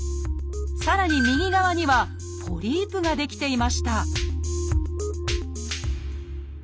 さらに右側にはポリープが出来ていました